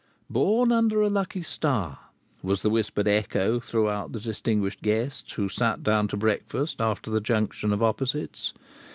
"Born under a lucky star," was the whispered echo throughout the distinguished guests who sat down to breakfast after the junction of opposites.